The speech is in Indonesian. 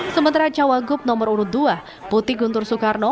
sementara cawagup nomor urut dua putih guntur soekarno